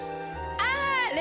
あれ。